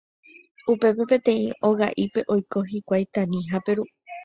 Upépe peteĩ oga'ípe oiko hikuái Tani ha Peru